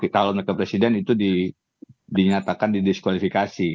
calon wakil presiden itu dinyatakan didiskualifikasi